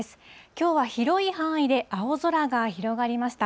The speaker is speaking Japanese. きょうは広い範囲で青空が広がりました。